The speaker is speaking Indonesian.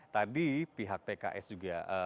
tadi pihak pks juga